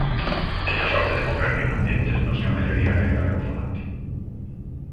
Teño a sorte de moverme en ambientes nos que a maioría é galegofalante.